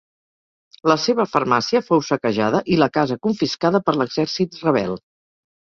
La seva farmàcia fou saquejada i la casa confiscada per l'exèrcit rebel.